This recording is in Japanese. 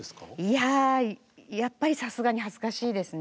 いやあやっぱりさすがに恥ずかしいですね。